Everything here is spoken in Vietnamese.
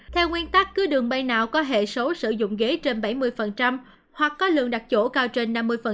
theo nguyên tắc cứ đường bay nào có hệ số sử dụng ghế trên bảy mươi hoặc có lượng đặt chỗ cao trên năm mươi